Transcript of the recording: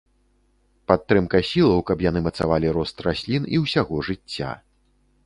Падтрымка сілаў, каб яны мацавалі рост раслін і ўсяго жыцця.